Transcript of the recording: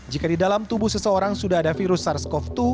jika di dalam tubuh seseorang sudah ada virus sars cov dua